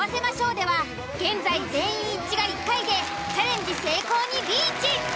では現在全員一致が１回でチャレンジ成功にリーチ！